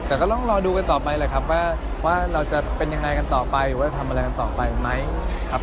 แต่ก็ต้องรอดูกันต่อไปแหละครับว่าเราจะเป็นยังไงกันต่อไปหรือว่าจะทำอะไรกันต่อไปไหมครับ